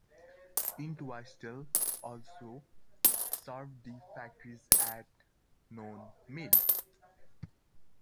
Entwistle also served the factories at Know Mill.